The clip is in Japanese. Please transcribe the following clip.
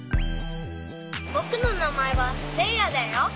ぼくのなまえはせいやだよ。